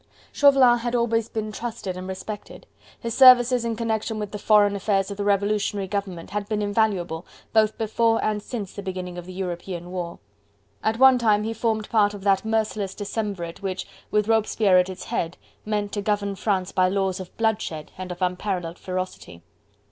Chauvelin had always been trusted and respected. His services in connection with the foreign affairs of the Revolutionary Government had been invaluable, both before and since the beginning of the European War. At one time he formed part of that merciless decemvirate which with Robespierre at its head meant to govern France by laws of bloodshed and of unparalleled ferocity.